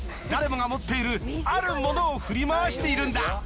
誰もが持っているあるものを振り回しているんだ。